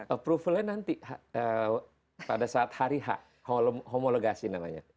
approve nya nanti pada saat hari h homologasi namanya